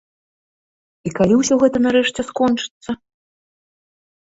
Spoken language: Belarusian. І калі ўсё гэта нарэшце скончыцца?